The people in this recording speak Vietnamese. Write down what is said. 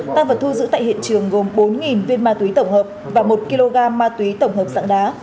tăng vật thu giữ tại hiện trường gồm bốn viên ma túy tổng hợp và một kg ma túy tổng hợp dạng đá